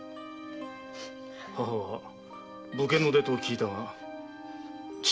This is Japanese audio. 母は武家の出と聞いたが父上も？